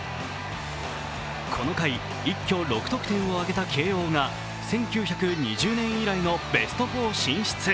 この回、一挙６得点を挙げた慶応が、１９２０年以来のベスト４進出。